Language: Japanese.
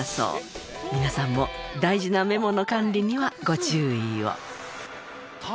皆さんも大事なメモの管理にはご注意を。